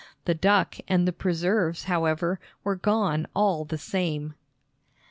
The duck and the preserves, however, were gone all the same.